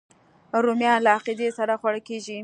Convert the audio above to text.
رومیان له عقیدې سره خوړل کېږي